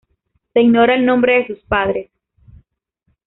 Se ignora el nombre de sus padres.